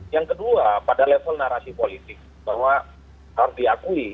yang kedua pada level narasi politik bahwa harus diakui